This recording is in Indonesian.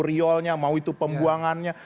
riolnya mau itu pembuangannya